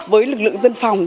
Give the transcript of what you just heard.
với lực lượng dân phòng